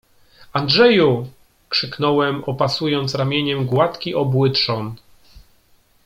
— Andrzeju! — krzyknąłem, opasując ramieniem gładki, obły trzon.